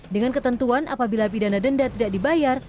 dengan ketentuan apabila pidana denda tidak dibayar